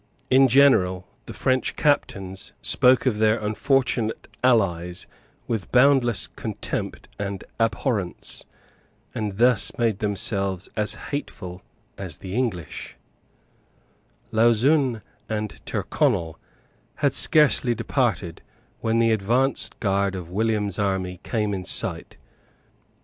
In general, the French captains spoke of their unfortunate allies with boundless contempt and abhorrence, and thus made themselves as hateful as the English, Lauzun and Tyrconnel had scarcely departed when the advanced guard of William's army came in sight.